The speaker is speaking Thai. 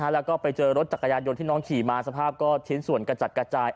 แล้วก็ไปเจอรถจักรยานยนต์ที่น้องขี่มาสภาพก็ชิ้นส่วนกระจัดกระจาย